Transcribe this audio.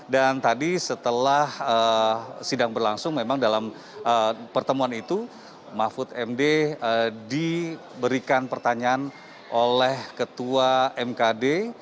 dan tadi setelah sidang berlangsung memang dalam pertemuan itu mahfud md diberikan pertanyaan oleh ketua mkd